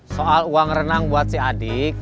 soal uang renang buat si adik